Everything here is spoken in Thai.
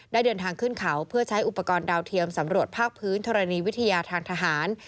เดินทางขึ้นเขาเพื่อใช้อุปกรณ์ดาวเทียมสำรวจภาคพื้นธรณีวิทยาทางทหาร